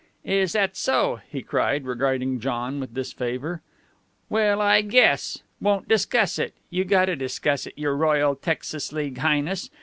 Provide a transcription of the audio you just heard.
"Is that so?" he cried, regarding John with disfavor. "Well, I guess! Won't discuss it! You gotta discuss it, Your Royal Texas League Highness!